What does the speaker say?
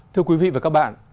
thưa quý vị và các bạn